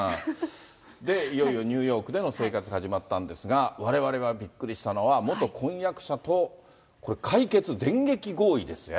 で、いよいよニューヨークでの生活始まったんですが、われわれがびっくりしたのは、元婚約者と、これ、解決電撃合意ですね。